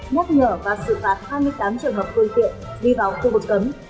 nhắc ngờ và sự phạt hai mươi tám trường hợp khuôn kiện đi vào khu vực cấm